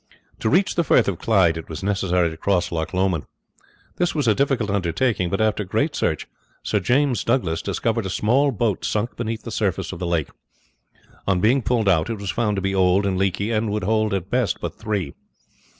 To reach the Firth of Clyde it was necessary to cross Loch Lomond. This was a difficult undertaking; but after great search Sir James Douglas discovered a small boat sunk beneath the surface of the lake. On being pulled out it was found to be old and leaky, and would hold at best but three.